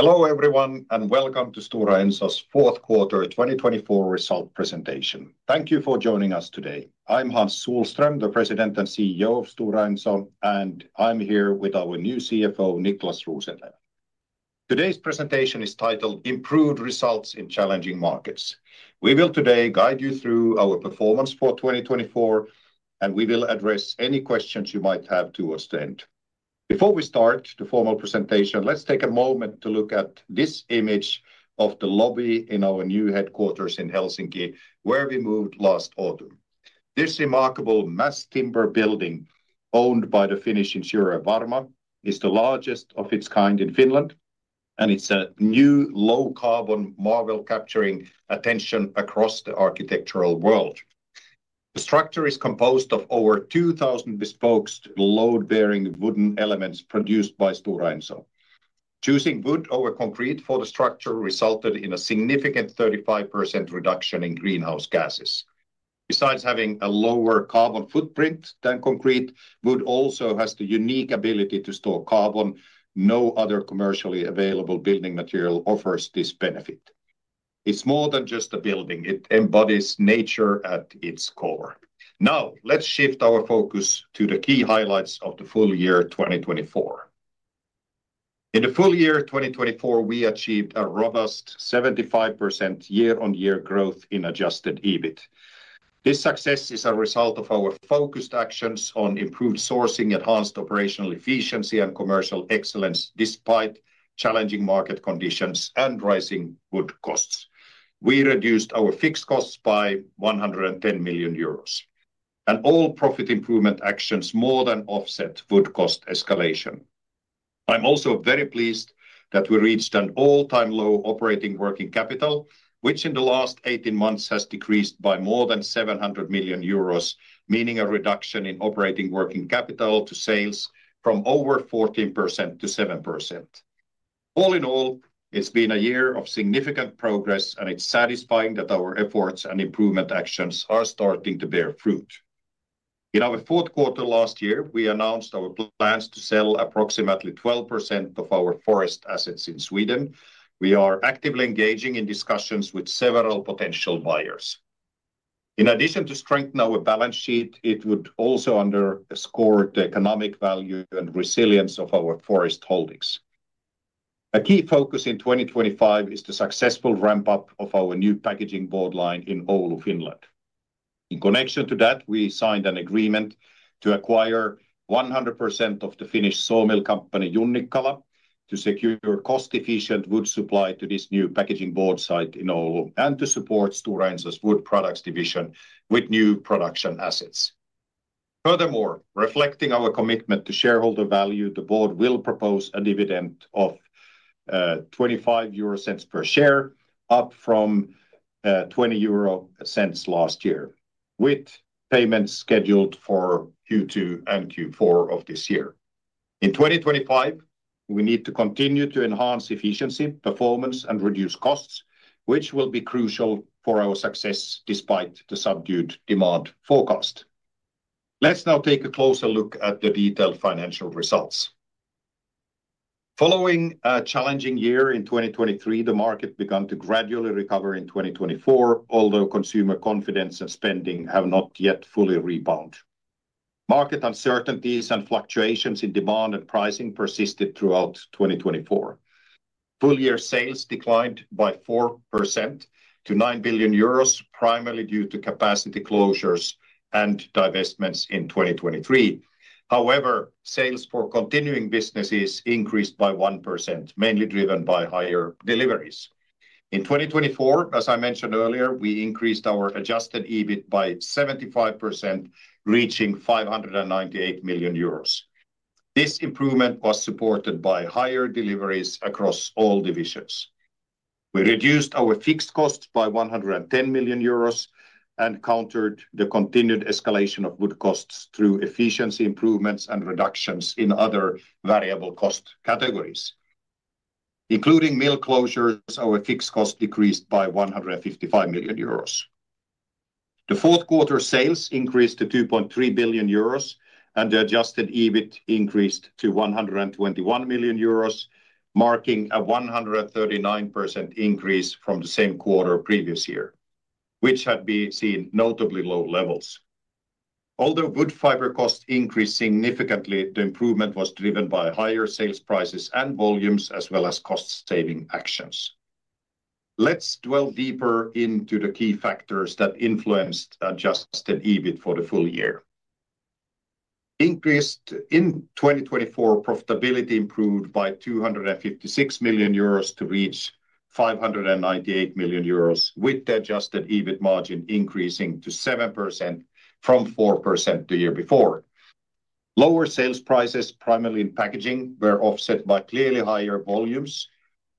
Hello everyone, and welcome to Stora Enso's fourth quarter 2024 results presentation. Thank you for joining us today. I'm Hans Sohlström, the President and CEO of Stora Enso, and I'm here with our new CFO, Niclas Rosenlew. Today's presentation is titled "Improved Results in Challenging Markets." We will today guide you through our performance for 2024, and we will address any questions you might have towards the end. Before we start the formal presentation, let's take a moment to look at this image of the lobby in our new headquarters in Helsinki, where we moved last autumn. This remarkable mass timber building owned by the Finnish insurer Varma is the largest of its kind in Finland, and it's a new low-carbon marvel capturing attention across the architectural world. The structure is composed of over 2,000 bespoke load-bearing wooden elements produced by Stora Enso. Choosing wood over concrete for the structure resulted in a significant 35% reduction in greenhouse gases. Besides having a lower carbon footprint than concrete, wood also has the unique ability to store carbon. No other commercially available building material offers this benefit. It's more than just a building. It embodies nature at its core. Now, let's shift our focus to the key highlights of the full year 2024. In the full year 2024, we achieved a robust 75% year-on-year growth in Adjusted EBIT. This success is a result of our focused actions on improved sourcing, enhanced operational efficiency, and commercial excellence despite challenging market conditions and rising wood costs. We reduced our fixed costs by 110 million euros, and all profit improvement actions more than offset wood cost escalation. I'm also very pleased that we reached an all-time low operating working capital, which in the last 18 months has decreased by more than 700 million euros, meaning a reduction in operating working capital to sales from over 14% to 7%. All in all, it's been a year of significant progress, and it's satisfying that our efforts and improvement actions are starting to bear fruit. In our fourth quarter last year, we announced our plans to sell approximately 12% of our forest assets in Sweden. We are actively engaging in discussions with several potential buyers. In addition to strengthening our balance sheet, it would also underscore the economic value and resilience of our forest holdings. A key focus in 2025 is the successful ramp-up of our new packaging board line in Oulu, Finland. In connection to that, we signed an agreement to acquire 100% of the Finnish sawmill company Junnikkala to secure cost-efficient wood supply to this new packaging board site in Oulu and to support Stora Enso's Wood Products division with new production assets. Furthermore, reflecting our commitment to shareholder value, the board will propose a dividend of 0.25 per share, up from 0.20 last year, with payments scheduled for Q2 and Q4 of this year. In 2025, we need to continue to enhance efficiency, performance, and reduce costs, which will be crucial for our success despite the subdued demand forecast. Let's now take a closer look at the detailed financial results. Following a challenging year in 2023, the market began to gradually recover in 2024, although consumer confidence and spending have not yet fully rebound. Market uncertainties and fluctuations in demand and pricing persisted throughout 2024. Full year sales declined by 4% to 9 billion euros, primarily due to capacity closures and divestments in 2023. However, sales for continuing businesses increased by 1%, mainly driven by higher deliveries. In 2024, as I mentioned earlier, we increased our Adjusted EBIT by 75%, reaching 598 million euros. This improvement was supported by higher deliveries across all divisions. We reduced our fixed costs by 110 million euros and countered the continued escalation of wood costs through efficiency improvements and reductions in other variable cost categories. Including mill closures, our fixed costs decreased by 155 million euros. The fourth quarter sales increased to 2.3 billion euros, and the Adjusted EBIT increased to 121 million euros, marking a 139% increase from the same quarter previous year, which had been seen at notably low levels. Although wood fiber costs increased significantly, the improvement was driven by higher sales prices and volumes, as well as cost-saving actions. Let's dwell deeper into the key factors that influenced Adjusted EBIT for the full year. Adjusted EBIT increased in 2024, profitability improved by 256 million euros to reach 598 million euros, with the Adjusted EBIT margin increasing to 7% from 4% the year before. Lower sales prices, primarily in packaging, were offset by clearly higher volumes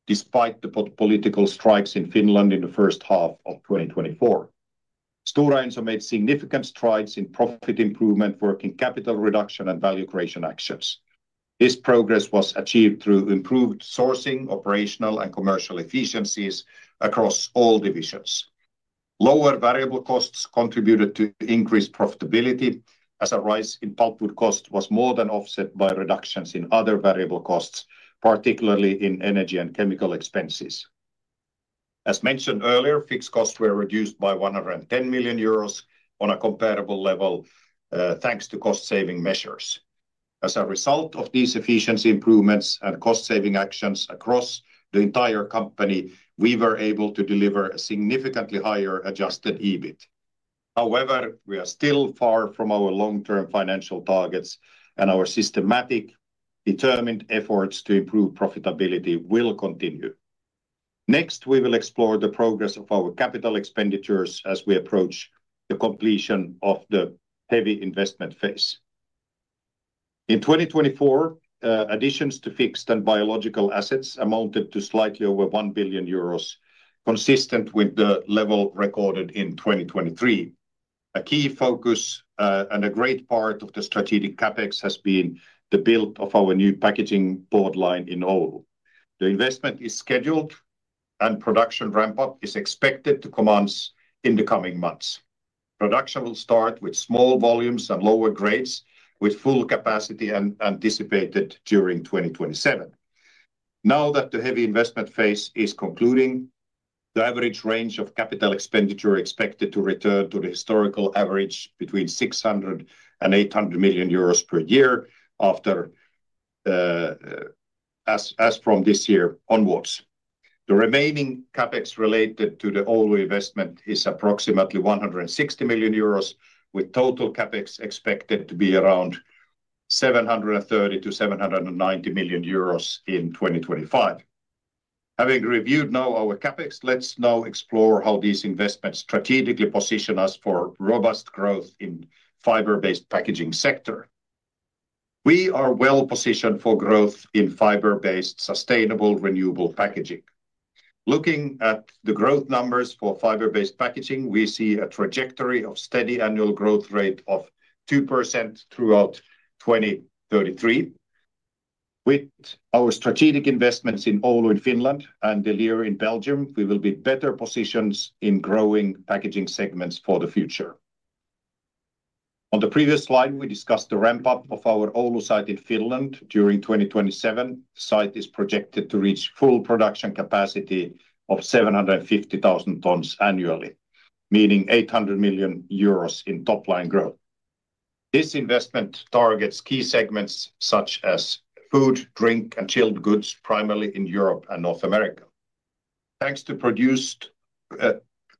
despite the political strikes in Finland in the first half of 2024. Stora Enso made significant strides in profit improvement, working capital reduction, and value creation actions. This progress was achieved through improved sourcing, operational, and commercial efficiencies across all divisions. Lower variable costs contributed to increased profitability, as a rise in pulp wood costs was more than offset by reductions in other variable costs, particularly in energy and chemical expenses. As mentioned earlier, fixed costs were reduced by 110 million euros on a comparable level, thanks to cost-saving measures. As a result of these efficiency improvements and cost-saving actions across the entire company, we were able to deliver a significantly higher Adjusted EBIT. However, we are still far from our long-term financial targets, and our systematic, determined efforts to improve profitability will continue. Next, we will explore the progress of our capital expenditures as we approach the completion of the heavy investment phase. In 2024, additions to fixed and biological assets amounted to slightly over 1 billion euros, consistent with the level recorded in 2023. A key focus and a great part of the strategic CapEx has been the build of our new packaging board line in Oulu. The investment is scheduled, and production ramp-up is expected to commence in the coming months. Production will start with small volumes and lower grades, with full capacity anticipated during 2027. Now that the heavy investment phase is concluding, the average range of capital expenditure expected to return to the historical average between 600 million euros and 800 million euros per year as from this year onwards. The remaining CapEx related to the Oulu investment is approximately 160 million euros, with total CapEx expected to be around 730 million to 790 million euros in 2025. Having reviewed now our CapEx, let's now explore how these investments strategically position us for robust growth in the fiber-based packaging sector. We are well positioned for growth in fiber-based sustainable renewable packaging. Looking at the growth numbers for fiber-based packaging, we see a trajectory of steady annual growth rate of 2% throughout 2033. With our strategic investments in Oulu in Finland and De Lier in Belgium, we will be better positioned in growing packaging segments for the future. On the previous slide, we discussed the ramp-up of our Oulu site in Finland during 2027. The site is projected to reach full production capacity of 750,000 tons annually, meaning 800 million euros in top-line growth. This investment targets key segments such as food, drink, and chilled goods, primarily in Europe and North America. Thanks to produced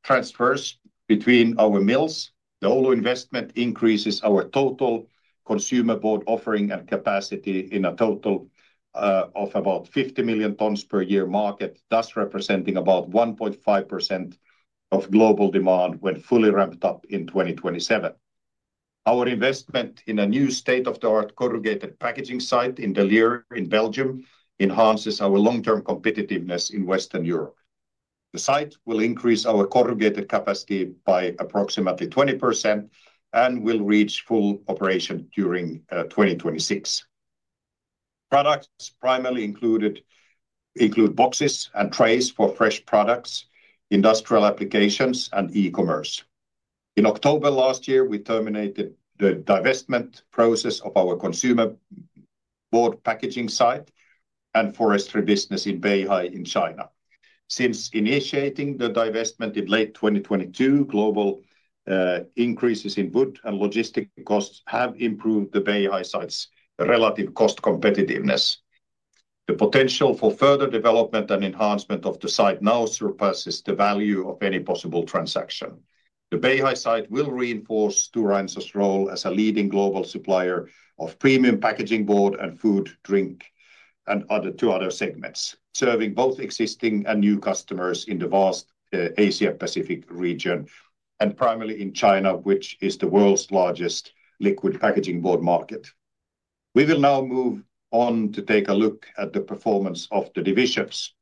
transfers between our mills, the Oulu investment increases our total consumer board offering and capacity in a total of about 50 million tons per year market, thus representing about 1.5% of global demand when fully ramped up in 2027. Our investment in a new state-of-the-art corrugated packaging site in De Lier in Belgium enhances our long-term competitiveness in Western Europe. The site will increase our corrugated capacity by approximately 20% and will reach full operation during 2026. Products primarily include boxes and trays for fresh products, industrial applications, and e-commerce. In October last year, we terminated the divestment process of our consumer board packaging site and forestry business in Beihai in China. Since initiating the divestment in late 2022, global increases in wood and logistics costs have improved the Beihai site's relative cost competitiveness. The potential for further development and enhancement of the site now surpasses the value of any possible transaction. The Beihai site will reinforce Stora Enso's role as a leading global supplier of premium packaging board and food, drink, and other consumer segments, serving both existing and new customers in the vast Asia-Pacific region and primarily in China, which is the world's largest liquid packaging board market. We will now move on to take a look at the performance of the divisions.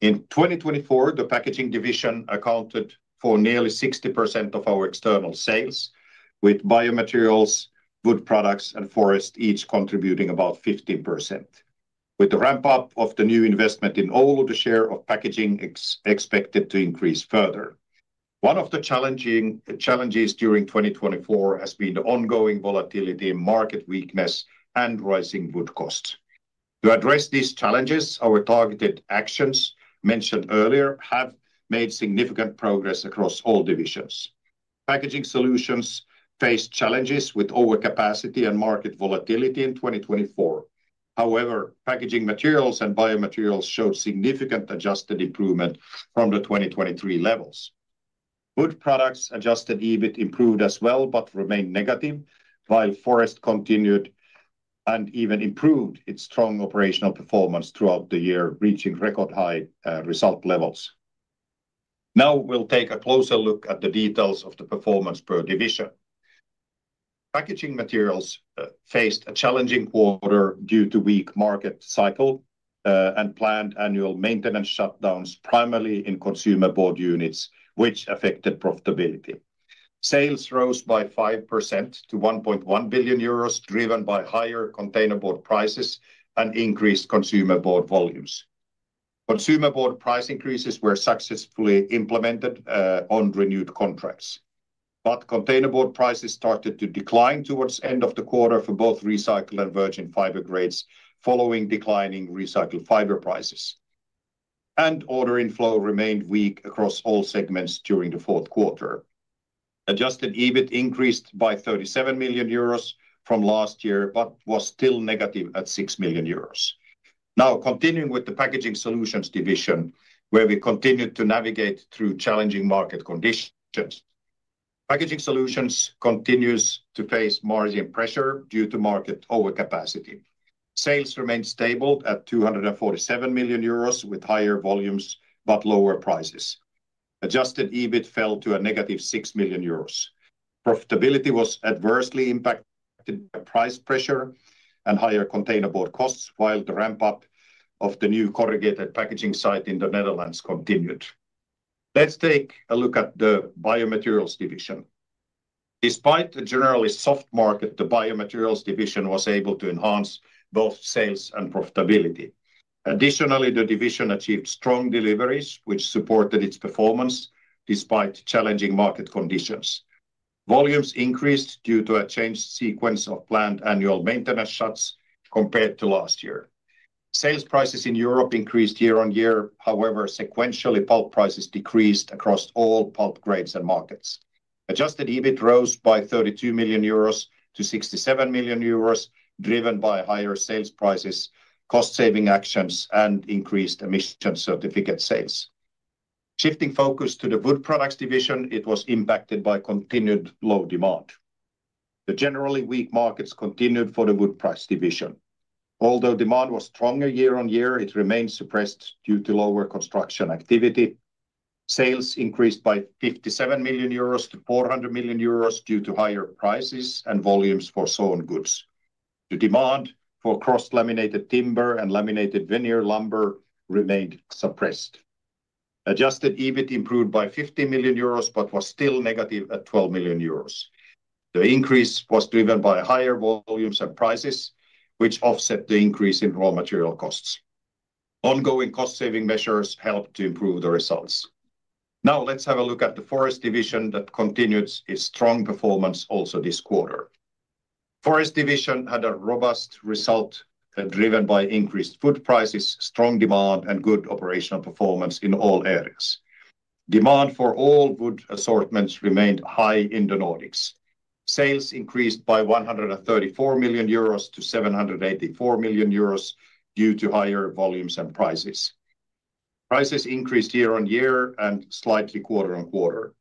In 2024, the Packaging division accounted for nearly 60% of our external sales, with Biomaterials, Wood Products, and Forest each contributing about 15%. With the ramp-up of the new investment in Oulu, the share of packaging is expected to increase further. One of the challenges during 2024 has been the ongoing volatility, market weakness, and rising wood costs. To address these challenges, our targeted actions mentioned earlier have made significant progress across all divisions. Packaging Solutions faced challenges with overcapacity and market volatility in 2024. However, Packaging Materials and Biomaterials showed significant adjusted improvement from the 2023 levels. Wood Products' Adjusted EBIT improved as well but remained negative, while Forest continued and even improved its strong operational performance throughout the year, reaching record-high result levels. Now we'll take a closer look at the details of the performance per division. Packaging Materials faced a challenging quarter due to a weak market cycle and planned annual maintenance shutdowns, primarily in consumer board units, which affected profitability. Sales rose by 5% to 1.1 billion euros, driven by higher containerboard prices and increased consumer board volumes. Consumer board price increases were successfully implemented on renewed contracts. But containerboard prices started to decline towards the end of the quarter for both recycled and virgin fiber grades, following declining recycled fiber prices. And order inflow remained weak across all segments during the fourth quarter. Adjusted EBIT increased by 37 million euros from last year but was still negative at 6 million euros. Now continuing with the Packaging Solutions division, where we continued to navigate through challenging market conditions. Packaging Solutions continue to face margin pressure due to market overcapacity. Sales remained stable at 247 million euros, with higher volumes but lower prices. Adjusted EBIT fell to a negative 6 million euros. Profitability was adversely impacted by price pressure and higher containerboard costs, while the ramp-up of the new corrugated packaging site in the Netherlands continued. Let's take a look at the Biomaterials division. Despite a generally soft market, the Biomaterials division was able to enhance both sales and profitability. Additionally, the division achieved strong deliveries, which supported its performance despite challenging market conditions. Volumes increased due to a changed sequence of planned annual maintenance shuts compared to last year. Sales prices in Europe increased year on year. However, sequentially, pulp prices decreased across all pulp grades and markets. Adjusted EBIT rose by 32 million euros to 67 million euros, driven by higher sales prices, cost-saving actions, and increased emission certificate sales. Shifting focus to the Wood Products division, it was impacted by continued low demand. The generally weak markets continued for the Wood Products division. Although demand was stronger year on year, it remained suppressed due to lower construction activity. Sales increased by 57 million euros to 400 million euros due to higher prices and volumes for sawn goods. The demand for cross-laminated timber and laminated veneer lumber remained suppressed. Adjusted EBIT improved by 15 million euros but was still negative at 12 million euros. The increase was driven by higher volumes and prices, which offset the increase in raw material costs. Ongoing cost-saving measures helped to improve the results. Now let's have a look at the Forest division that continued its strong performance also this quarter. The Forest division had a robust result driven by increased wood prices, strong demand, and good operational performance in all areas. Demand for all wood assortments remained high in the Nordics. Sales increased by 134 million euros to 784 million euros due to higher volumes and prices. Prices increased year on year and slightly quarter on quarter.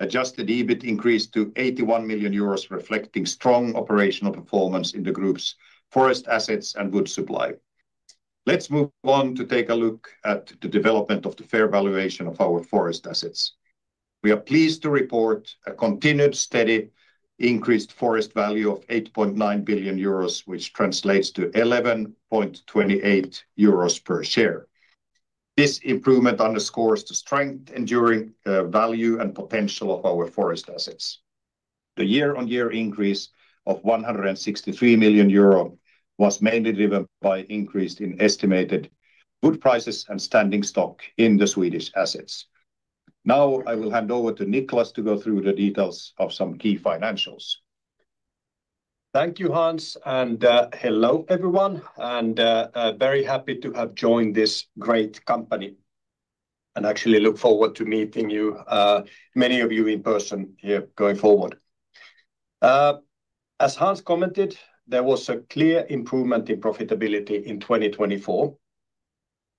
Adjusted EBIT increased to 81 million euros, reflecting strong operational performance in the group's forest assets and wood supply. Let's move on to take a look at the development of the fair valuation of our forest assets. We are pleased to report a continued steady increased forest value of 8.9 billion euros, which translates to 11.28 euros per share. This improvement underscores the strength, enduring value, and potential of our forest assets. The year-on-year increase of 163 million euro was mainly driven by an increase in estimated wood prices and standing stock in the Swedish assets. Now I will hand over to Niclas to go through the details of some key financials. Thank you, Hans, and hello everyone. I am very happy to have joined this great company. I actually look forward to meeting you, many of you in person here going forward. As Hans commented, there was a clear improvement in profitability in 2024.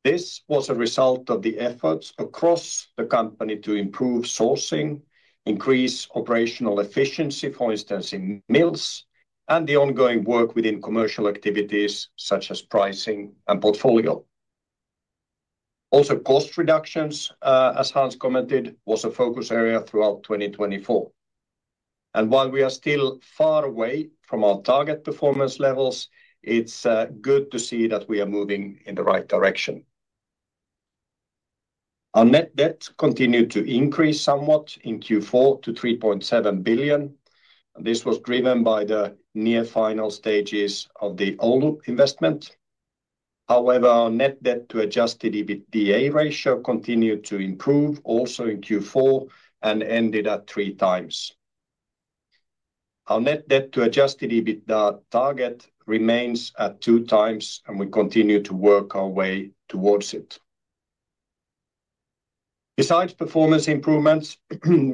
This was a result of the efforts across the company to improve sourcing, increase operational efficiency, for instance, in mills, and the ongoing work within commercial activities such as pricing and portfolio. Also, cost reductions, as Hans commented, were a focus area throughout 2024. While we are still far away from our target performance levels, it's good to see that we are moving in the right direction. Our net debt continued to increase somewhat in Q4 to 3.7 billion. This was driven by the near-final stages of the Oulu investment. However, our net debt to Adjusted EBITDA ratio continued to improve also in Q4 and ended at three times. Our net debt to adjusted EBIT target remains at two times, and we continue to work our way towards it. Besides performance improvements,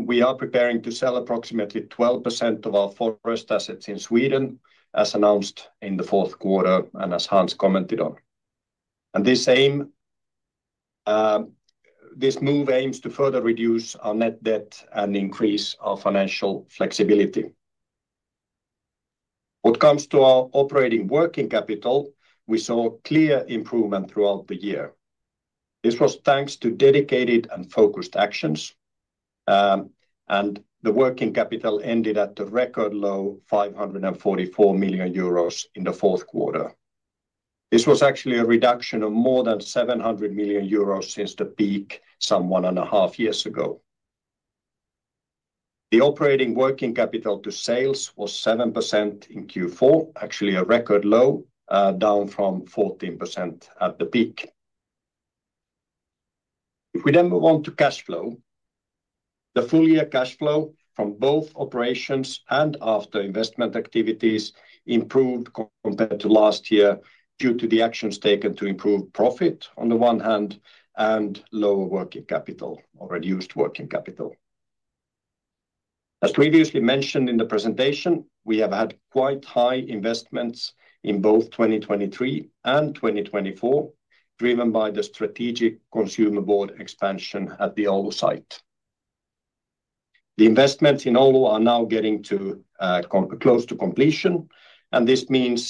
we are preparing to sell approximately 12% of our forest assets in Sweden, as announced in the fourth quarter and as Hans commented on, and this move aims to further reduce our net debt and increase our financial flexibility. What comes to our operating working capital, we saw clear improvement throughout the year. This was thanks to dedicated and focused actions, and the working capital ended at the record low 544 million euros in the fourth quarter. This was actually a reduction of more than 700 million euros since the peak some one and a half years ago. The operating working capital to sales was 7% in Q4, actually a record low, down from 14% at the peak. If we then move on to cash flow, the full year cash flow from both operations and after investment activities improved compared to last year due to the actions taken to improve profit on the one hand and lower working capital or reduced working capital. As previously mentioned in the presentation, we have had quite high investments in both 2023 and 2024, driven by the strategic consumer board expansion at the Oulu site. The investments in Oulu are now getting close to completion, and this means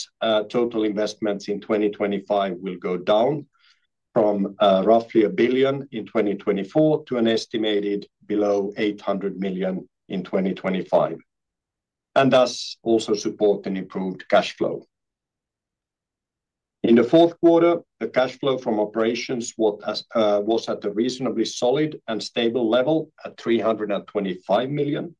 total investments in 2025 will go down from roughly 1 billion in 2024 to an estimated below 800 million in 2025, and thus also support an improved cash flow. In the fourth quarter, the cash flow from operations was at a reasonably solid and stable level at 325 million,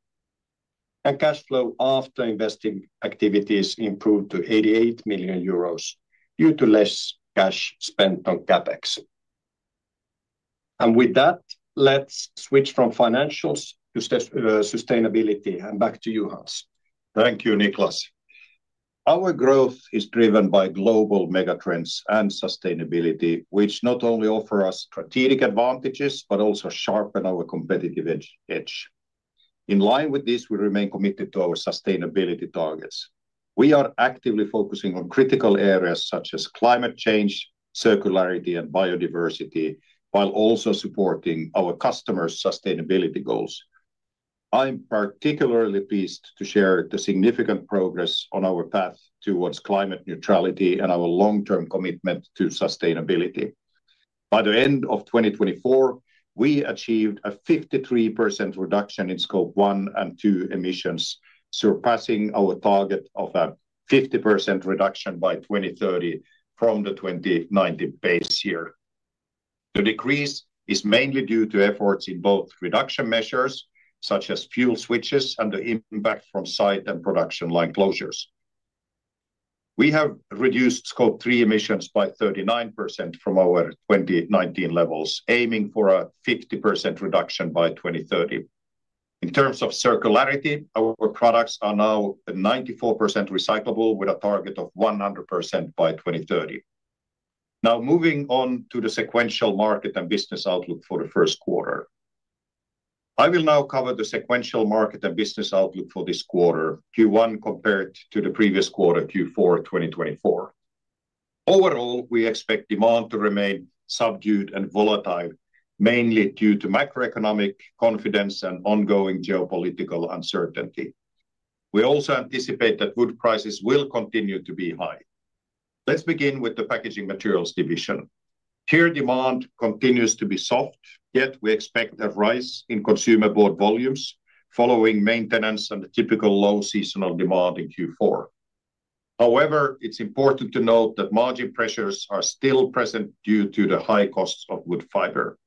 and cash flow after investing activities improved to 88 million euros due to less cash spent on CapEx, and with that, let's switch from financials to sustainability, and back to you, Hans. Thank you, Niclas. Our growth is driven by global megatrends and sustainability, which not only offer us strategic advantages but also sharpen our competitive edge. In line with this, we remain committed to our sustainability targets. We are actively focusing on critical areas such as climate change, circularity, and biodiversity, while also supporting our customers' sustainability goals. I'm particularly pleased to share the significant progress on our path towards climate neutrality and our long-term commitment to sustainability. By the end of 2024, we achieved a 53% reduction in Scope 1 and 2 emissions, surpassing our target of a 50% reduction by 2030 from the 2019 base year. The decrease is mainly due to efforts in both reduction measures, such as fuel switches, and the impact from site and production line closures. We have reduced Scope 3 emissions by 39% from our 2019 levels, aiming for a 50% reduction by 2030. In terms of circularity, our products are now 94% recyclable with a target of 100% by 2030. Now moving on to the sequential market and business outlook for the first quarter. I will now cover the sequential market and business outlook for this quarter, Q1 compared to the previous quarter, Q4 2024. Overall, we expect demand to remain subdued and volatile, mainly due to macroeconomic confidence and ongoing geopolitical uncertainty. We also anticipate that wood prices will continue to be high. Let's begin with the Packaging Materials division. Here demand continues to be soft, yet we expect a rise in consumer board volumes following maintenance and the typical low seasonal demand in Q4. However, it's important to note that margin pressures are still present due to the high costs of wood fiber.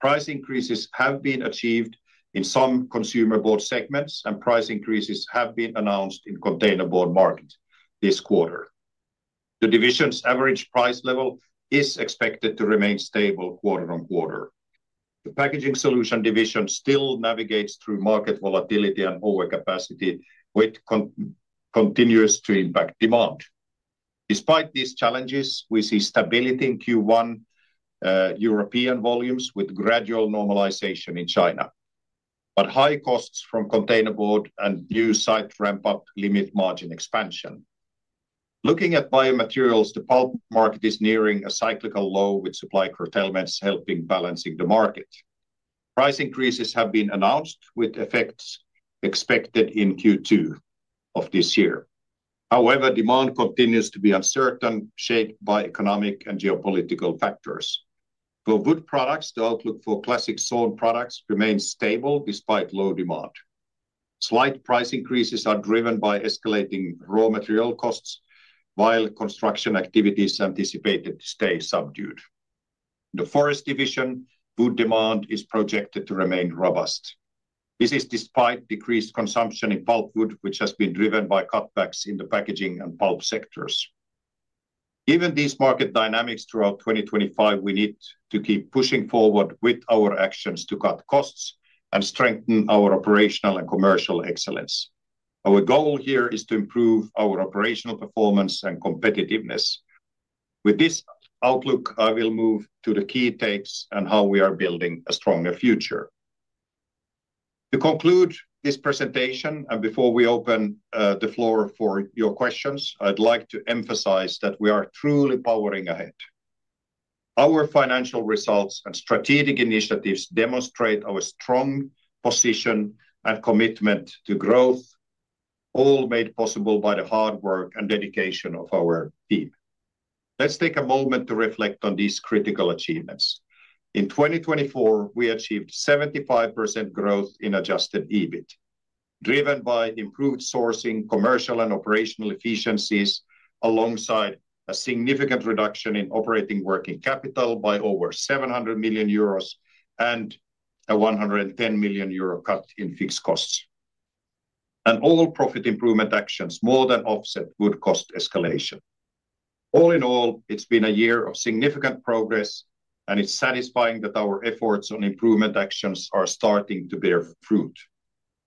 Price increases have been achieved in some consumer board segments, and price increases have been announced in the containerboard market this quarter. The division's average price level is expected to remain stable quarter on quarter. The Packaging Solutions division still navigates through market volatility and overcapacity, which continues to impact demand. Despite these challenges, we see stability in Q1, European volumes with gradual normalization in China, but high costs from containerboard and new site ramp-up limit margin expansion. Looking at Biomaterials, the pulp market is nearing a cyclical low with supply curtailments helping balance the market. Price increases have been announced with effects expected in Q2 of this year. However, demand continues to be uncertain, shaped by economic and geopolitical factors. For wood products, the outlook for classic sawn products remains stable despite low demand. Slight price increases are driven by escalating raw material costs, while construction activities anticipated to stay subdued. In the Forest division, wood demand is projected to remain robust. This is despite decreased consumption in pulpwood, which has been driven by cutbacks in the packaging and pulp sectors. Given these market dynamics throughout 2025, we need to keep pushing forward with our actions to cut costs and strengthen our operational and commercial excellence. Our goal here is to improve our operational performance and competitiveness. With this outlook, I will move to the key takes and how we are building a stronger future. To conclude this presentation and before we open the floor for your questions, I'd like to emphasize that we are truly powering ahead. Our financial results and strategic initiatives demonstrate our strong position and commitment to growth, all made possible by the hard work and dedication of our team. Let's take a moment to reflect on these critical achievements. In 2024, we achieved 75% growth in Adjusted EBIT, driven by improved sourcing, commercial, and operational efficiencies, alongside a significant reduction in operating working capital by over 700 million euros and a 110 million euro cut in fixed costs, and all profit improvement actions more than offset wood cost escalation. All in all, it's been a year of significant progress, and it's satisfying that our efforts on improvement actions are starting to bear fruit.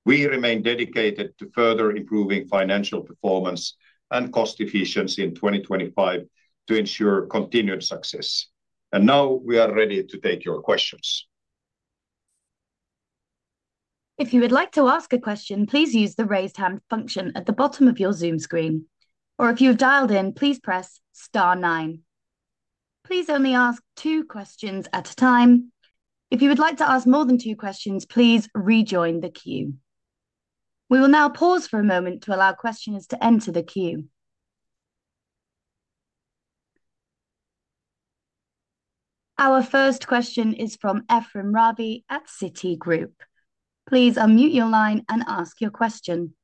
We remain dedicated to further improving financial performance and cost efficiency in 2025 to ensure continued success, and now we are ready to take your questions. If you would like to ask a question, please use the raised hand function at the bottom of your Zoom screen. Or if you've dialed in, please press star nine. Please only ask two questions at a time. If you would like to ask more than two questions, please rejoin the queue. We will now pause for a moment to allow questioners to enter the queue. Our first question is from Ephrem Ravi at Citi. Please unmute your line and ask your question.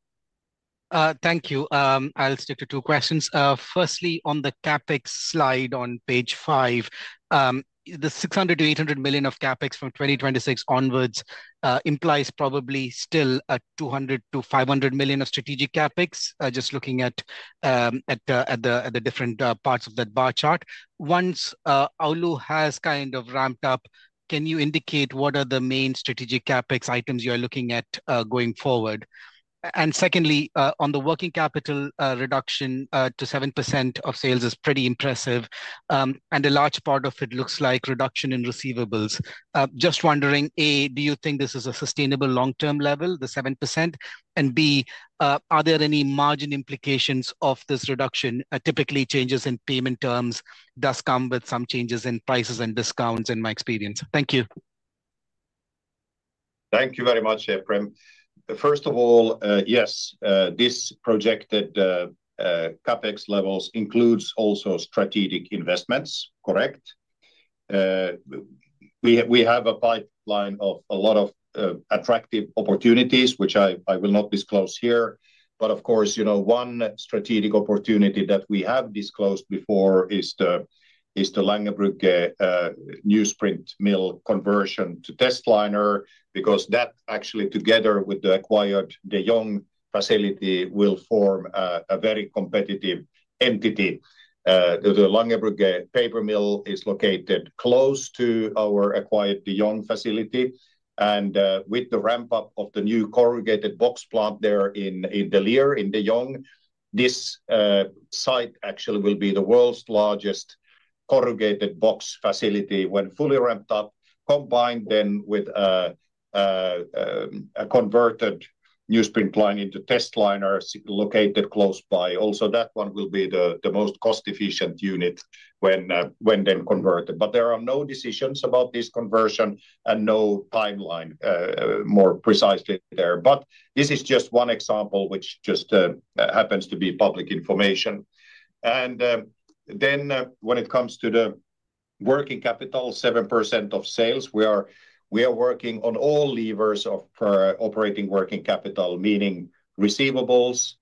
Thank you. I'll stick to two questions. Firstly, on the CapEx slide on page five, the 600-800 million of CapEx from 2026 onwards implies probably still a 200-500 million of strategic CapEx, just looking at the different parts of that bar chart. Once Oulu has kind of ramped up, can you indicate what are the main strategic CapEx items you are looking at going forward? And secondly, on the working capital reduction to 7% of sales is pretty impressive, and a large part of it looks like reduction in receivables. Just wondering, A, do you think this is a sustainable long-term level, the 7%? And B, are there any margin implications of this reduction? Typically, changes in payment terms do come with some changes in prices and discounts in my experience. Thank you. Thank you very much, Ephraim. First of all, yes, this projected CapEx levels includes also strategic investments, correct? We have a pipeline of a lot of attractive opportunities, which I will not disclose here. But of course, you know one strategic opportunity that we have disclosed before is the Langerbrugge newsprint mill conversion to testliner, because that actually, together with the acquired De Jong facility, will form a very competitive entity. The Langerbrugge paper mill is located close to our acquired De Jong facility, and with the ramp-up of the new corrugated box plant there in De Lier, in De Jong, this site actually will be the world's largest corrugated box facility when fully ramped up, combined then with a converted newsprint line into testliner located close by. Also, that one will be the most cost-efficient unit when then converted. But there are no decisions about this conversion and no timeline more precisely there. But this is just one example, which just happens to be public information. And then when it comes to the working capital, 7% of sales, we are working on all levers of operating working capital, meaning receivables,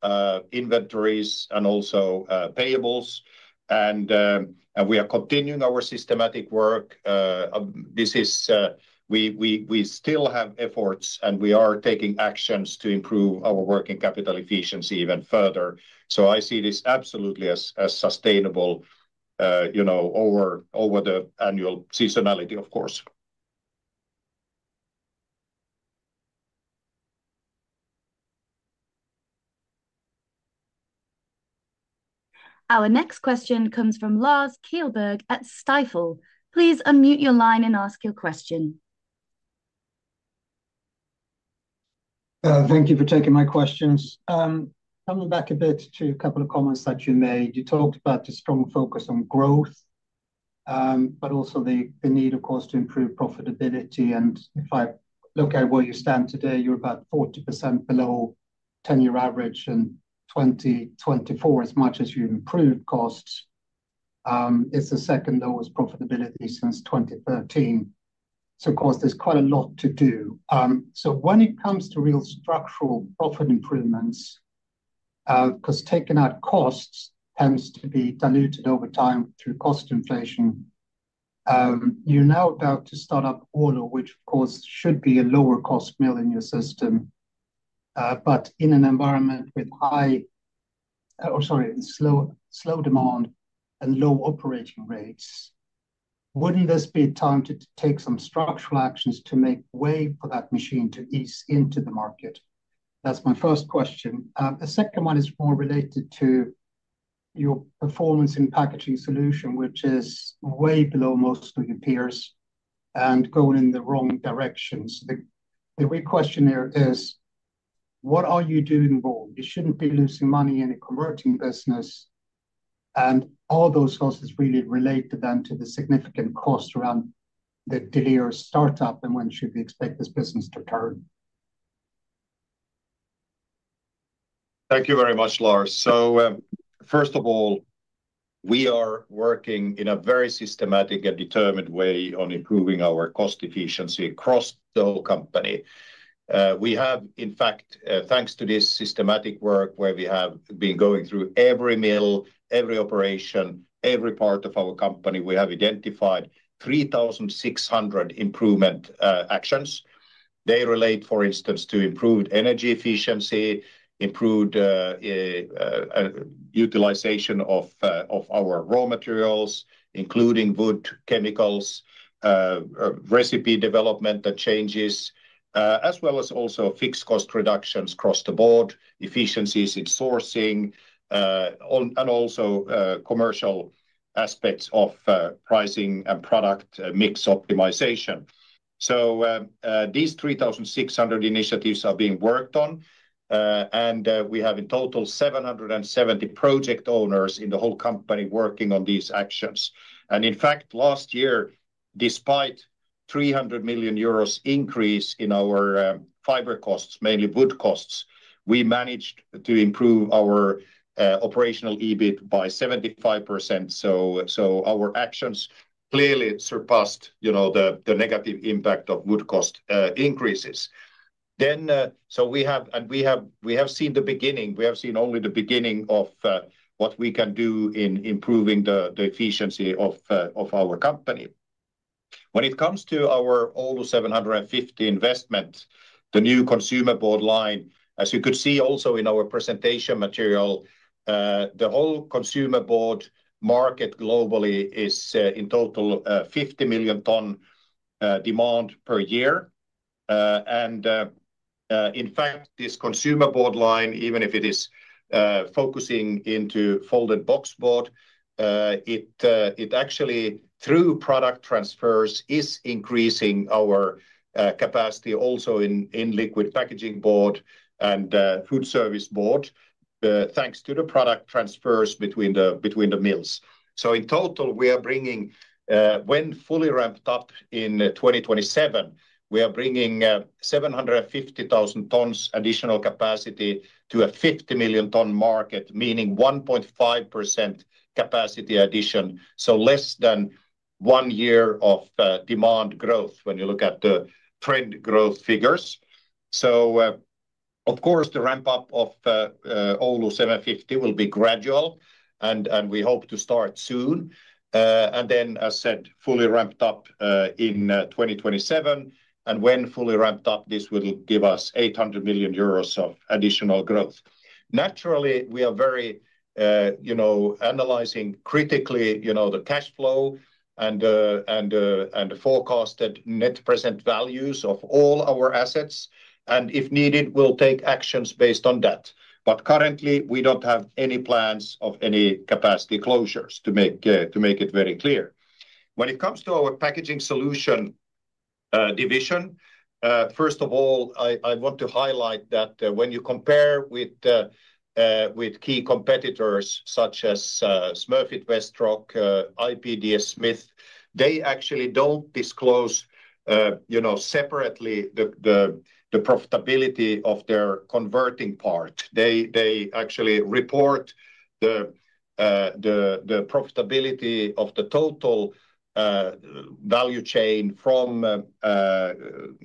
inventories, and also payables. And we are continuing our systematic work. We still have efforts, and we are taking actions to improve our working capital efficiency even further. So I see this absolutely as sustainable over the annual seasonality, of course. Our next question comes from Lars Kjellberg at Stifel. Please unmute your line and ask your question. Thank you for taking my questions. Coming back a bit to a couple of comments that you made, you talked about the strong focus on growth, but also the need, of course, to improve profitability. If I look at where you stand today, you're about 40% below 10-year average in 2024, as much as you improved costs. It's the second lowest profitability since 2013. Of course, there's quite a lot to do. When it comes to real structural profit improvements, because taking out costs tends to be diluted over time through cost inflation, you're now about to start up Oulu, which, of course, should be a lower-cost mill in your system. But in an environment with high, or sorry, slow demand and low operating rates, wouldn't this be a time to take some structural actions to make way for that machine to ease into the market? That's my first question. The second one is more related to your performance in Packaging Solutions, which is way below most of your peers and going in the wrong direction. So the question here is, what are you doing wrong? You shouldn't be losing money in a converting business. And all those costs really relate to then to the significant cost around the De Lier startup and when should we expect this business to turn? Thank you very much, Lars. So first of all, we are working in a very systematic and determined way on improving our cost efficiency across the whole company. We have, in fact, thanks to this systematic work where we have been going through every mill, every operation, every part of our company, we have identified 3,600 improvement actions. They relate, for instance, to improved energy efficiency, improved utilization of our raw materials, including wood, chemicals, recipe development and changes, as well as also fixed cost reductions across the board, efficiencies in sourcing, and also commercial aspects of pricing and product mix optimization. These 3,600 initiatives are being worked on, and we have in total 770 project owners in the whole company working on these actions. In fact, last year, despite a 300 million euros increase in our fiber costs, mainly wood costs, we managed to improve our operational EBIT by 75%. Our actions clearly surpassed the negative impact of wood cost increases. We have seen the beginning. We have seen only the beginning of what we can do in improving the efficiency of our company. When it comes to our Oulu 750 investment, the new consumer board line, as you could see also in our presentation material, the whole consumer board market globally is in total 50 million ton demand per year. And in fact, this consumer board line, even if it is focusing into folding boxboard, it actually, through product transfers, is increasing our capacity also in liquid packaging board and food service board, thanks to the product transfers between the mills. So in total, we are bringing, when fully ramped up in 2027, we are bringing 750,000 ton additional capacity to a 50 million ton market, meaning 1.5% capacity addition. So less than one year of demand growth when you look at the trend growth figures. So of course, the ramp-up of Oulu 750 will be gradual, and we hope to start soon. And then, as said, fully ramped up in 2027. And when fully ramped up, this will give us 800 million euros of additional growth. Naturally, we are very analyzing critically the cash flow and the forecasted net present values of all our assets. If needed, we'll take actions based on that. Currently, we don't have any plans of any capacity closures to make it very clear. When it comes to our Packaging Solutions division, first of all, I want to highlight that when you compare with key competitors such as Smurfit Westrock, IP, DS Smith, they actually don't disclose separately the profitability of their converting part. They actually report the profitability of the total value chain from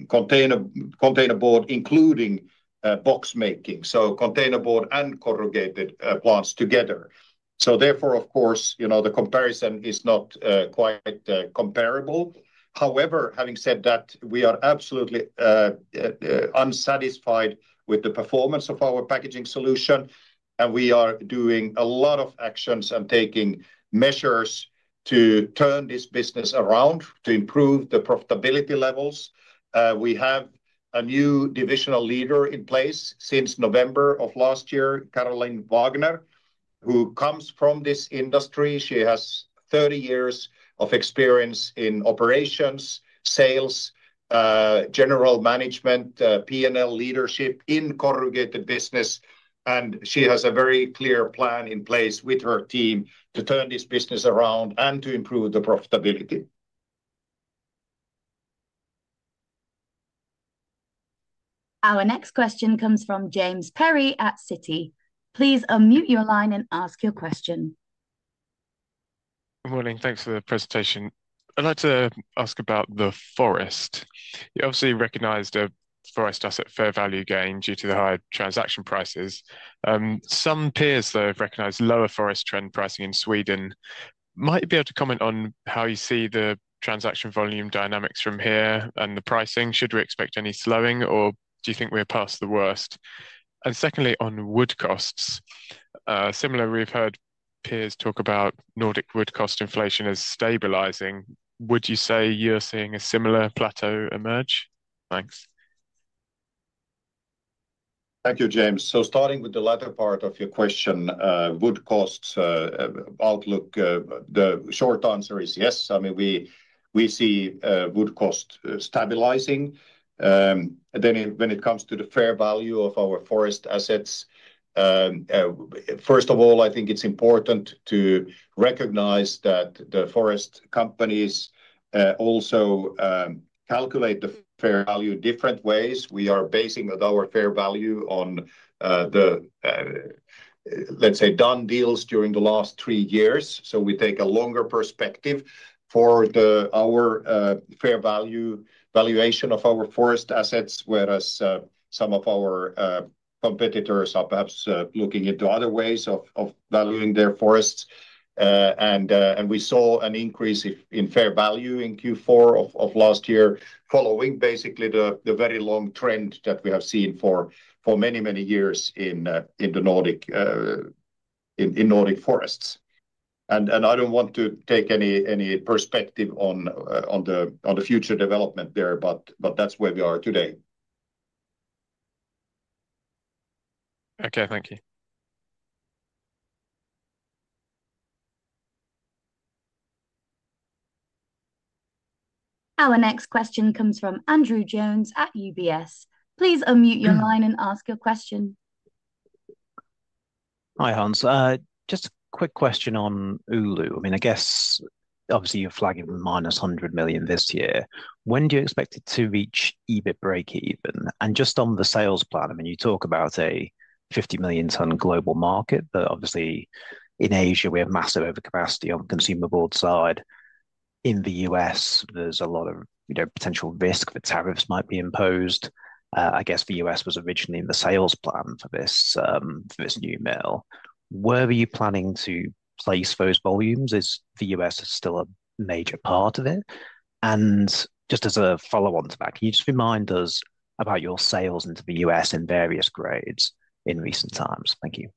containerboard, including box making, so containerboard and corrugated plants together. So therefore, of course, the comparison is not quite comparable. However, having said that, we are absolutely unsatisfied with the performance of our Packaging Solutions, and we are doing a lot of actions and taking measures to turn this business around to improve the profitability levels. We have a new divisional leader in place since November of last year, Carolyn Wagner, who comes from this industry. She has 30 years of experience in operations, sales, general management, P&L leadership in corrugated business, and she has a very clear plan in place with her team to turn this business around and to improve the profitability. Our next question comes from James Perry at Citi. Please unmute your line and ask your question. Good morning. Thanks for the presentation. I'd like to ask about the forest. You obviously recognized a forest asset fair value gain due to the high transaction prices. Some peers, though, have recognized lower forest fair value pricing in Sweden. Might you be able to comment on how you see the transaction volume dynamics from here and the pricing? Should we expect any slowing, or do you think we're past the worst? And secondly, on wood costs, similar, we've heard peers talk about Nordic wood cost inflation as stabilizing. Would you say you're seeing a similar plateau emerge? Thanks. Thank you, James. So starting with the latter part of your question, wood cost outlook, the short answer is yes. I mean, we see wood cost stabilizing. Then when it comes to the fair value of our forest assets, first of all, I think it's important to recognize that the forest companies also calculate the fair value in different ways. We are basing our fair value on the, let's say, done deals during the last three years. So we take a longer perspective for our fair value valuation of our forest assets, whereas some of our competitors are perhaps looking into other ways of valuing their forests. We saw an increase in fair value in Q4 of last year, following basically the very long trend that we have seen for many, many years in the Nordic forests. I don't want to take any perspective on the future development there, but that's where we are today. Okay, thank you. Our next question comes from Andrew Jones at UBS. Please unmute your line and ask your question. Hi, Hans. Just a quick question on Oulu. I mean, I guess, obviously, you're flagging -100 million this year. When do you expect it to reach EBIT break-even? And just on the sales plan, I mean, you talk about a 50 million ton global market, but obviously, in Asia, we have massive overcapacity on the consumer board side. In the U.S., there's a lot of potential risk that tariffs might be imposed. I guess the U.S. was originally in the sales plan for this new mill. Where are you planning to place those volumes as the U.S. is still a major part of it? And just as a follow-on to that, can you just remind us about your sales into the U.S. in various grades in recent times? Thank you.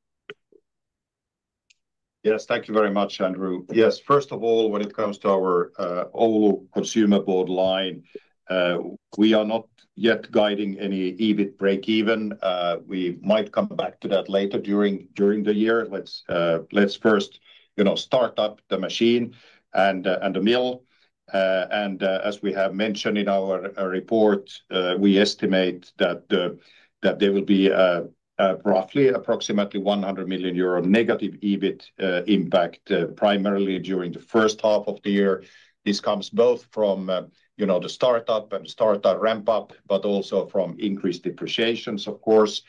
Yes, thank you very much, Andrew. Yes, first of all, when it comes to our Oulu consumer board line, we are not yet guiding any EBIT break-even. We might come back to that later during the year. Let's first start up the machine and the mill. And as we have mentioned in our report, we estimate that there will be roughly approximately 100 million euro negative EBIT impact primarily during the first half of the year. This comes both from the startup and startup ramp-up, but also from increased depreciations, of course.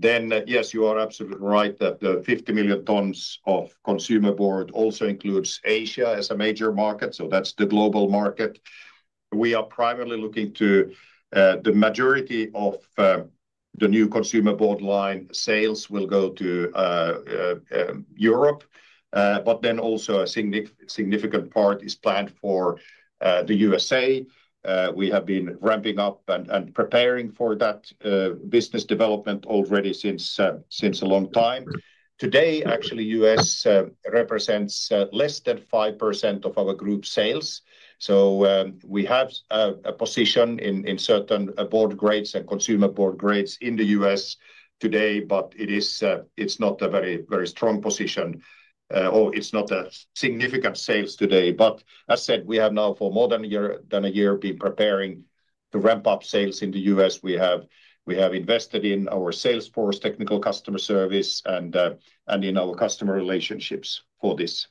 Then, yes, you are absolutely right that the 50 million tons of consumer board also includes Asia as a major market. So that's the global market. We are primarily looking to the majority of the new consumer board line sales will go to Europe, but then also a significant part is planned for the USA. We have been ramping up and preparing for that business development already since a long time. Today, actually, US represents less than 5% of our group sales. So we have a position in certain board grades and consumer board grades in the US today, but it's not a very strong position, or it's not a significant sales today. But as said, we have now for more than a year been preparing to ramp up sales in the US. We have invested in our sales force technical customer service and in our customer relationships for this.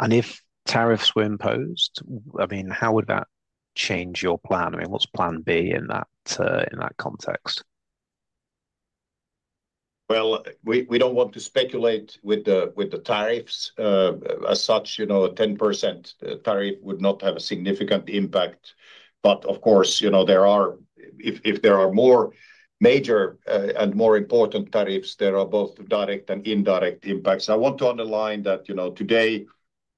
If tariffs were imposed, I mean, how would that change your plan? I mean, what's plan B in that context? Well, we don't want to speculate with the tariffs. As such, a 10% tariff would not have a significant impact. But of course, if there are more major and more important tariffs, there are both direct and indirect impacts. I want to underline that today,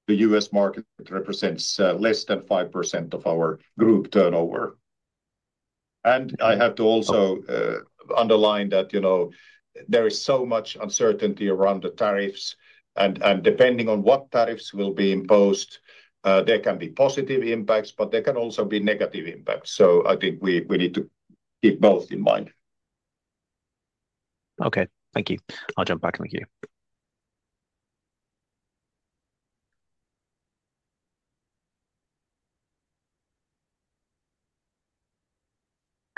the U.S. market represents less than 5% of our group turnover. And I have to also underline that there is so much uncertainty around the tariffs. And depending on what tariffs will be imposed, there can be positive impacts, but there can also be negative impacts. So I think we need to keep both in mind. Okay, thank you. I'll jump back and thank you.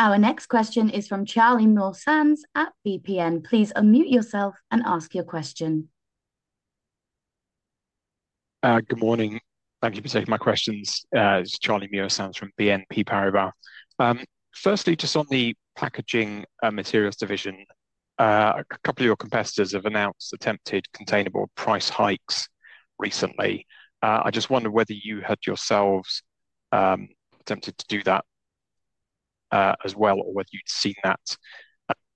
Our next question is from Charlie Muir-Sands at BNP Paribas. Please unmute yourself and ask your question. Good morning. Thank you for taking my questions. This is Charlie Muir-Sands from BNP Paribas. Firstly, just on the Packaging Materials division, a couple of your competitors have announced attempted containerboard price hikes recently. I just wondered whether you had yourselves attempted to do that as well, or whether you'd seen that,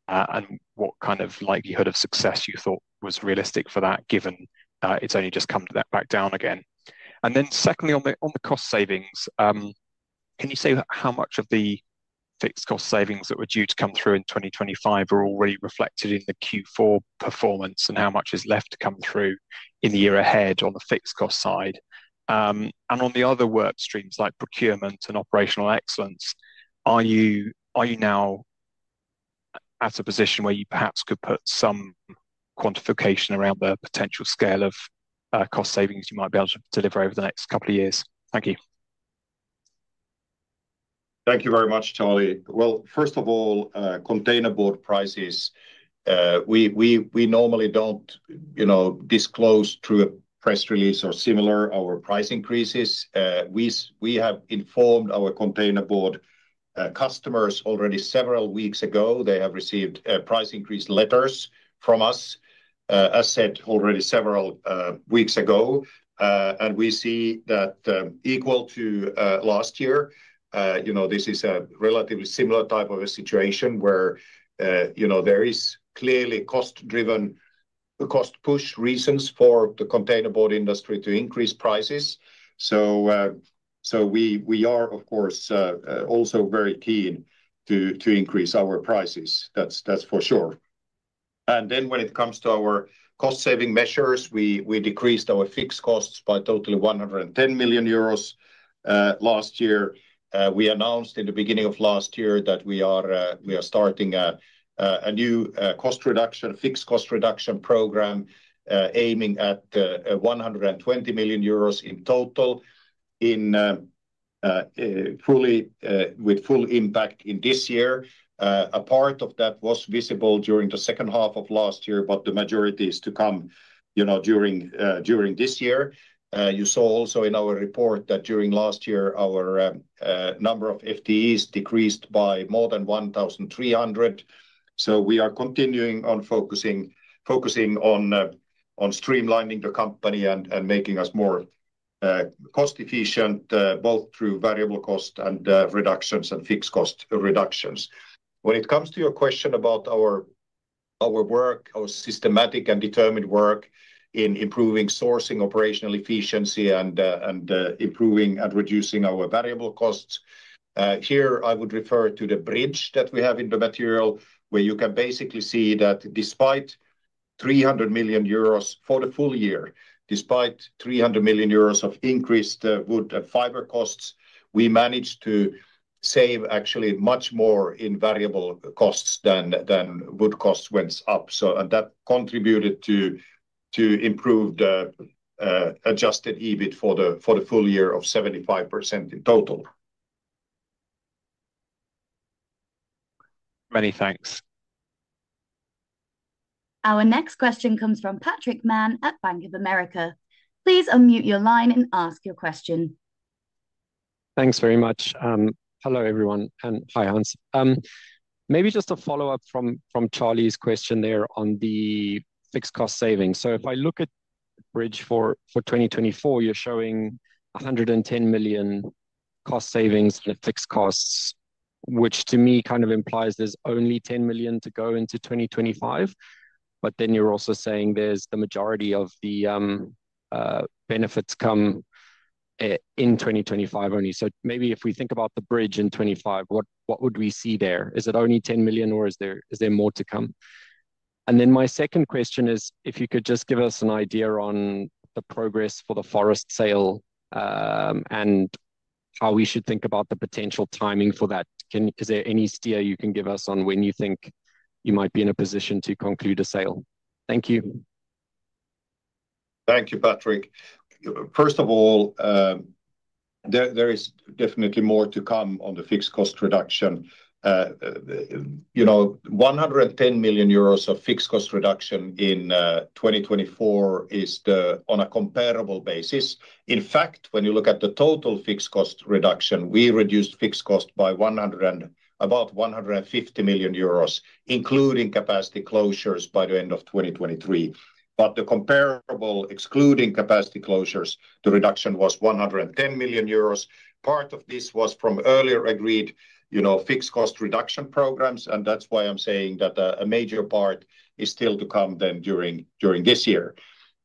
and what kind of likelihood of success you thought was realistic for that, given it's only just come back down again. And then secondly, on the cost savings, can you say how much of the fixed cost savings that were due to come through in 2025 are already reflected in the Q4 performance, and how much is left to come through in the year ahead on the fixed cost side? On the other work streams like procurement and operational excellence, are you now at a position where you perhaps could put some quantification around the potential scale of cost savings you might be able to deliver over the next couple of years? Thank you. Thank you very much, Charlie. First of all, containerboard prices, we normally don't disclose through a press release or similar our price increases. We have informed our containerboard customers already several weeks ago. They have received price increase letters from us, as said already several weeks ago. We see that equal to last year. This is a relatively similar type of a situation where there is clearly cost-driven cost push reasons for the containerboard industry to increase prices. We are, of course, also very keen to increase our prices. That's for sure. When it comes to our cost-saving measures, we decreased our fixed costs by totally 110 million euros last year. We announced in the beginning of last year that we are starting a new cost reduction, fixed cost reduction program aiming at 120 million euros in total with full impact in this year. A part of that was visible during the second half of last year, but the majority is to come during this year. You saw also in our report that during last year, our number of FTEs decreased by more than 1,300. We are continuing on focusing on streamlining the company and making us more cost-efficient, both through variable cost reductions and fixed cost reductions. When it comes to your question about our work, our systematic and determined work in improving sourcing operational efficiency and improving and reducing our variable costs, here I would refer to the bridge that we have in the material, where you can basically see that despite 300 million euros for the full year, despite 300 million euros of increased wood and fiber costs, we managed to save actually much more in variable costs than wood costs went up. So that contributed to improved adjusted EBIT for the full year of 75% in total. Many thanks. Our next question comes from Patrick Mann at Bank of America. Please unmute your line and ask your question. Thanks very much. Hello, everyone. Hi, Hans. Maybe just a follow-up from Charlie's question there on the fixed cost savings. So if I look at the bridge for 2024, you're showing 110 million cost savings and fixed costs, which to me kind of implies there's only 10 million to go into 2025. But then you're also saying there's the majority of the benefits come in 2025 only. So maybe if we think about the bridge in 2025, what would we see there? Is it only 10 million, or is there more to come? And then my second question is, if you could just give us an idea on the progress for the forest sale and how we should think about the potential timing for that. Is there any steer you can give us on when you think you might be in a position to conclude a sale? Thank you. Thank you, Patrick. First of all, there is definitely more to come on the fixed cost reduction. 110 million euros of fixed cost reduction in 2024 is on a comparable basis. In fact, when you look at the total fixed cost reduction, we reduced fixed cost by about 150 million euros, including capacity closures by the end of 2023, but the comparable, excluding capacity closures, the reduction was 110 million euros. Part of this was from earlier agreed fixed cost reduction programs, and that's why I'm saying that a major part is still to come then during this year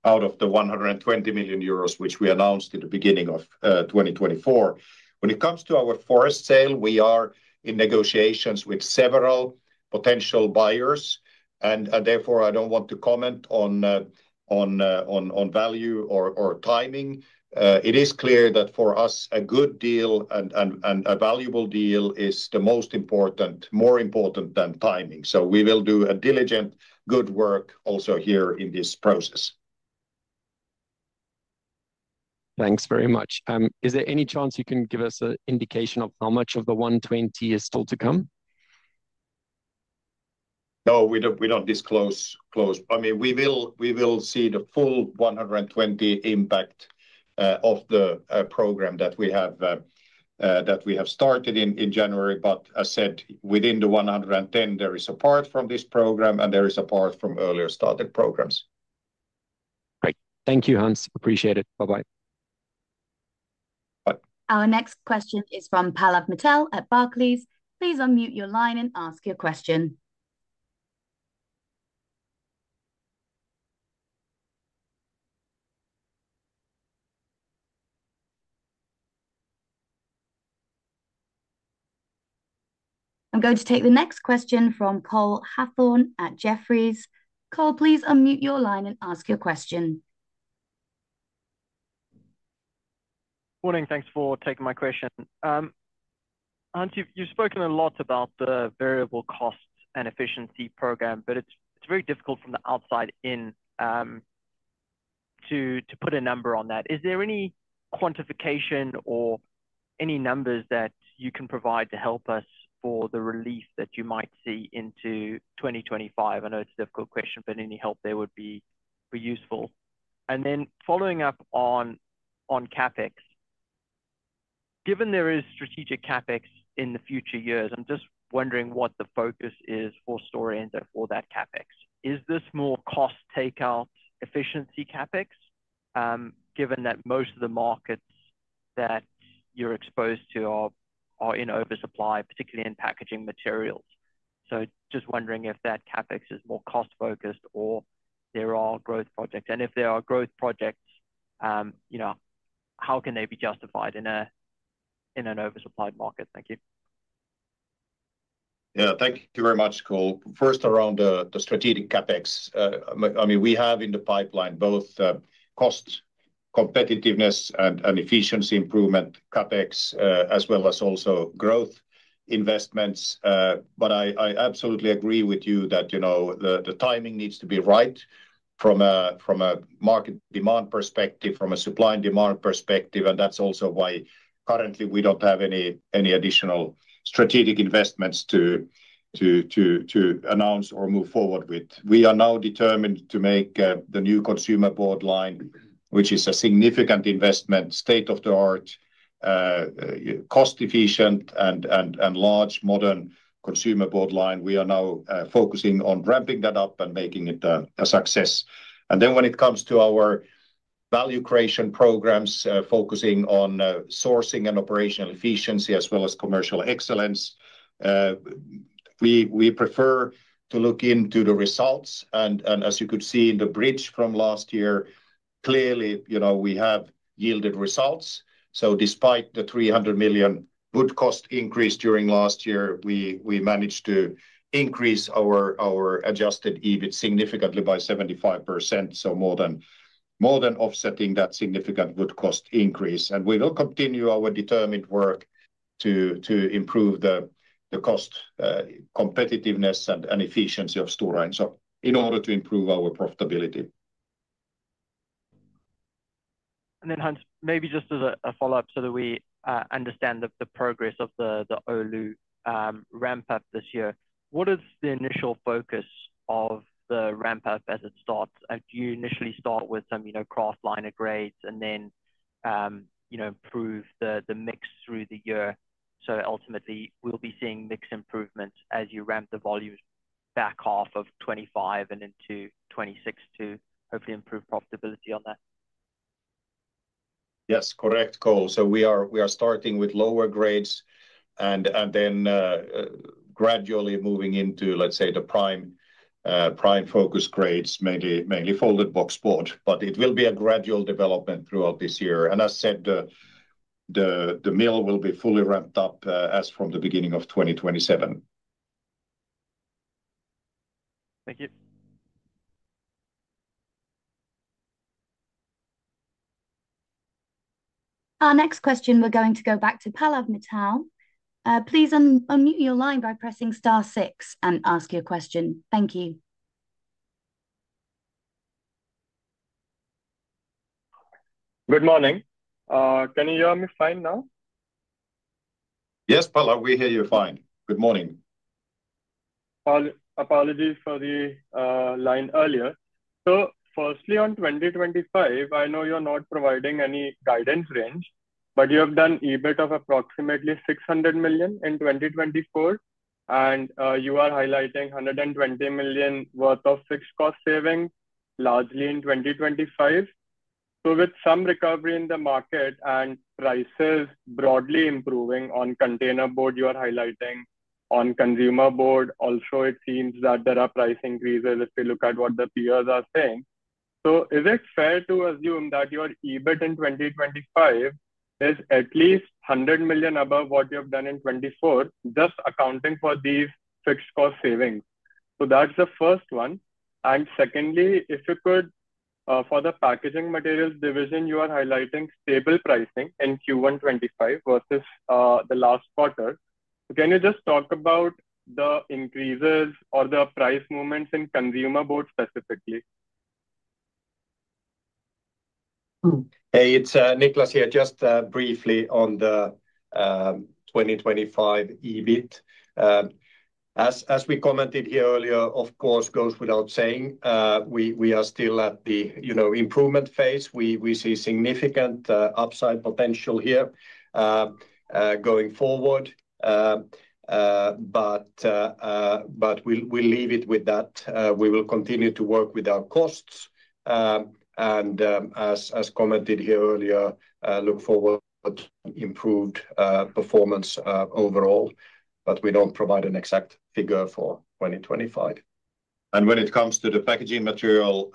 out of the 120 million euros, which we announced at the beginning of 2024. When it comes to our forest sale, we are in negotiations with several potential buyers, and therefore, I don't want to comment on value or timing. It is clear that for us, a good deal and a valuable deal is the most important, more important than timing. So we will do diligent good work also here in this process. Thanks very much. Is there any chance you can give us an indication of how much of the 120 is still to come? No, we don't disclose. I mean, we will see the full 120 impact of the program that we have started in January. But as said, within the 110, there is a part from this program, and there is a part from earlier started programs. Great. Thank you, Hans. Appreciate it. Bye-bye. Bye. Our next question is from Pallav Mittal at Barclays. Please unmute your line and ask your question. I'm going to take the next question from Cole Hathorn at Jefferies. Cole, please unmute your line and ask your question. Morning. Thanks for taking my question. Hans, you've spoken a lot about the variable cost and efficiency program, but it's very difficult from the outside in to put a number on that. Is there any quantification or any numbers that you can provide to help us for the relief that you might see into 2025? I know it's a difficult question, but any help there would be useful. And then following up on CapEx, given there is strategic CapEx in the future years, I'm just wondering what the focus is for Stora Enso for that CapEx. Is this more cost takeout efficiency CapEx, given that most of the markets that you're exposed to are in oversupply, particularly in Packaging Materials? So just wondering if that CapEx is more cost-focused or there are growth projects. And if there are growth projects, how can they be justified in an oversupplied market? Thank you. Yeah, thank you very much, Cole. First, around the strategic CapEx, I mean, we have in the pipeline both cost competitiveness and efficiency improvement CapEx, as well as also growth investments. But I absolutely agree with you that the timing needs to be right from a market demand perspective, from a supply and demand perspective. And that's also why currently we don't have any additional strategic investments to announce or move forward with. We are now determined to make the new consumer board line, which is a significant investment, state-of-the-art, cost-efficient, and large modern consumer board line. We are now focusing on ramping that up and making it a success. And then when it comes to our value creation programs, focusing on sourcing and operational efficiency as well as commercial excellence, we prefer to look into the results. And as you could see in the bridge from last year, clearly we have yielded results. Despite the 300 million wood cost increase during last year, we managed to increase our adjusted EBIT significantly by 75%, so more than offsetting that significant wood cost increase. We will continue our determined work to improve the cost competitiveness and efficiency of Stora Enso in order to improve our profitability. Hans, maybe just as a follow-up so that we understand the progress of the Oulu ramp-up this year, what is the initial focus of the ramp-up as it starts? Do you initially start with some testliner grades and then improve the mix through the year? Ultimately, we'll be seeing mix improvements as you ramp the volumes back half of 2025 and into 2026 to hopefully improve profitability on that? Yes, correct, Cole. We are starting with lower grades and then gradually moving into, let's say, the prime focus grades, mainly folding boxboard. But it will be a gradual development throughout this year. And as said, the mill will be fully ramped up as from the beginning of 2027. Thank you. Our next question, we're going to go back to Pallav Mittal. Please unmute your line by pressing star six and ask your question. Thank you. Good morning. Can you hear me fine now? Yes, Pallav, we hear you fine. Good morning. Apologies for the line earlier. So firstly, on 2025, I know you're not providing any guidance range, but you have done EBIT of approximately 600 million in 2024, and you are highlighting 120 million worth of fixed cost savings, largely in 2025. So with some recovery in the market and prices broadly improving on containerboard, you are highlighting on consumer board. Also, it seems that there are price increases if we look at what the peers are saying. Is it fair to assume that your EBIT in 2025 is at least 100 million above what you have done in 2024, just accounting for these fixed cost savings? That's the first one. And secondly, if you could, for the Packaging Materials division, you are highlighting stable pricing in Q1 2025 versus the last quarter. Can you just talk about the increases or the price movements in consumer board specifically? Hey, it's Niclas here, just briefly on the 2025 EBIT. As we commented here earlier, of course, goes without saying, we are still at the improvement phase. We see significant upside potential here going forward, but we'll leave it with that. We will continue to work with our costs. And as commented here earlier, look forward to improved performance overall, but we don't provide an exact figure for 2025. When it comes to the packaging material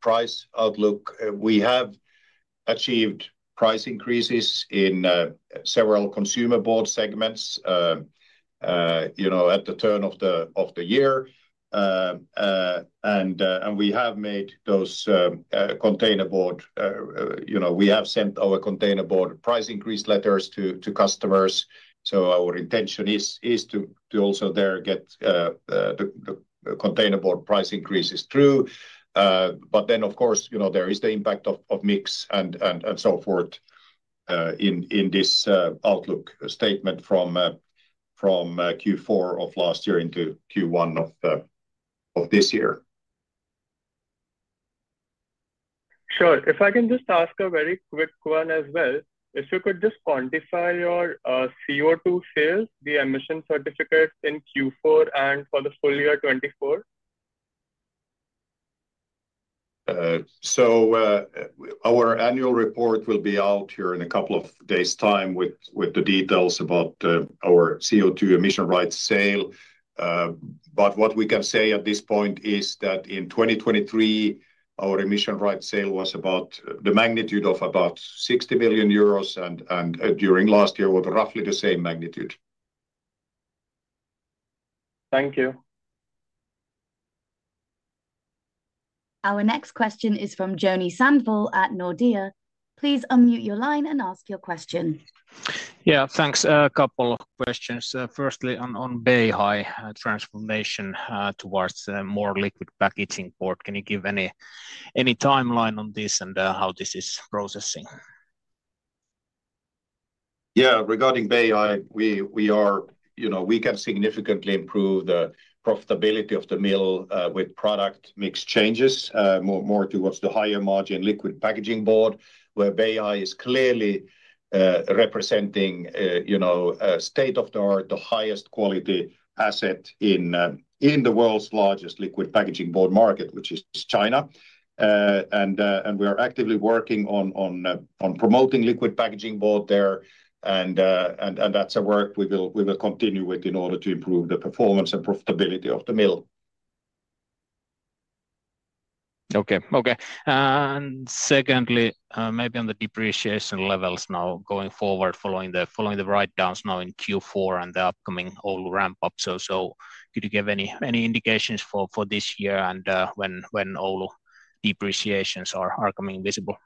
price outlook, we have achieved price increases in several consumer board segments at the turn of the year. We have made those containerboard. We have sent our containerboard price increase letters to customers. Our intention is to also there get the containerboard price increases through. But then, of course, there is the impact of mix and so forth in this outlook statement from Q4 of last year into Q1 of this year. Sure. If I can just ask a very quick one as well, if you could just quantify your CO2 sales, the emission certificates in Q4 and for the full year 2024? Our annual report will be out here in a couple of days' time with the details about our CO2 emission rights sale. But what we can say at this point is that in 2023, our emission rights sale was about the magnitude of about 60 million euros, and during last year was roughly the same magnitude. Thank you. Our next question is from Joni Sandvall at Nordea. Please unmute your line and ask your question. Yeah, thanks. A couple of questions. Firstly, on Beihai transformation towards more liquid packaging board, can you give any timeline on this and how this is progressing? Yeah, regarding Beihai, we can significantly improve the profitability of the mill with product mix changes more towards the higher margin liquid packaging board, where Beihai is clearly representing state-of-the-art, the highest quality asset in the world's largest liquid packaging board market, which is China. And we are actively working on promoting liquid packaging board there. That's a work we will continue with in order to improve the performance and profitability of the mill. Okay, okay. And secondly, maybe on the depreciation levels now going forward, following the write-downs now in Q4 and the upcoming Oulu ramp-up. So could you give any indications for this year and when Oulu depreciations are coming visible?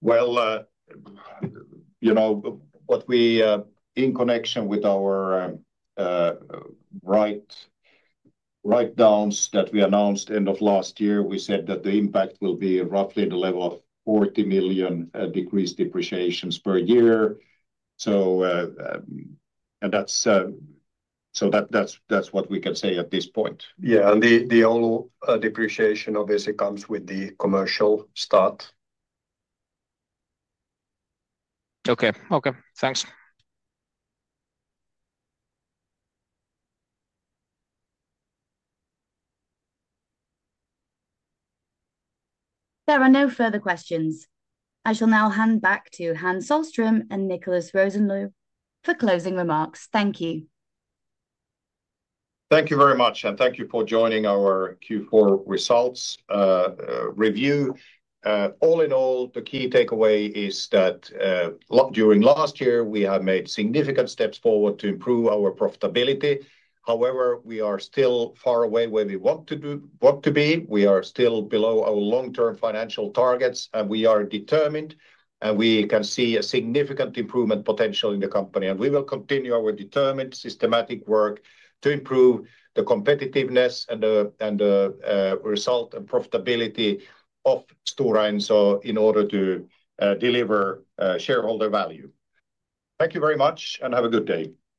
Well, what we in connection with our write-downs that we announced end of last year, we said that the impact will be roughly the level of 40 million decreased depreciations per year. So that's what we can say at this point. Yeah, and the Oulu depreciation obviously comes with the commercial start. Okay, okay. Thanks. There are no further questions. I shall now hand back to Hans Sohlström and Niclas Rosenlew for closing remarks. Thank you. Thank you very much. And thank you for joining our Q4 results review. All in all, the key takeaway is that during last year, we have made significant steps forward to improve our profitability. However, we are still far away where we want to be. We are still below our long-term financial targets, and we are determined, and we can see a significant improvement potential in the company. And we will continue our determined systematic work to improve the competitiveness and the result and profitability of Stora Enso in order to deliver shareholder value. Thank you very much, and have a good day.